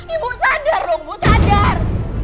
ibu sadar dong ibu sadar